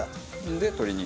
で鶏肉？